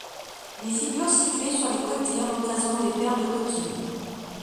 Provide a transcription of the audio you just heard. Les figures situées sur les côtés représentent des paires de coquilles.